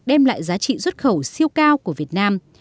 đem lại giá trị xuất khẩu siêu cao của việt nam